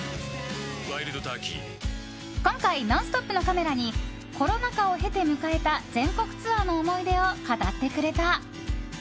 今回「ノンストップ！」のカメラにコロナ禍を経て迎えた全国ツアーの思い出を語ってくれた。